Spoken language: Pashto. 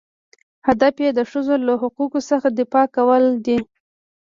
هدف یې د ښځو له حقوقو څخه دفاع کول دي.